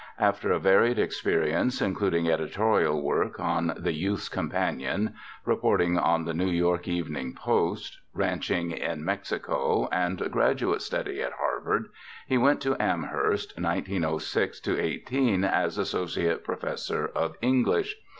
After a varied experience, including editorial work on the Youth's Companion, reporting on the New York Evening Post, ranching in Mexico and graduate study at Harvard, he went to Amherst, 1906 18, as associate professor of English.